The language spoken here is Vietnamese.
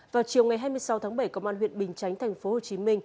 vào chiều ngày hai mươi sáu tháng bảy công an huyện bình chánh tp hcm